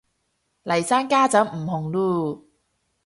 嚟生家陣唔紅嚕